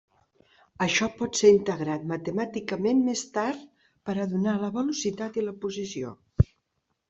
Això pot ser integrat matemàticament més tard per a donar la velocitat i la posició.